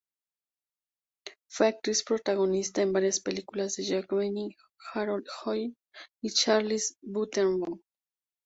Fue actriz protagonista en varias películas de Jack Benny, Harold Lloyd y Charles Butterworth.